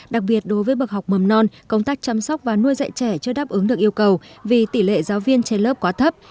đặc biệt đối với bậc học mầm non công tác chăm sóc và nuôi dạy trẻ chưa đáp ứng được yêu cầu vì tỷ lệ giáo viên trên lớp quá thấp